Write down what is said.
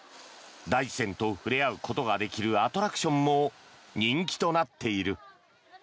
大自然と触れ合ることができるアトラクションも人気となっている。